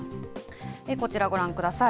こちらご覧ください。